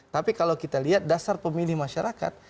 tapi kalau kita lihat dasar pemilih masyarakat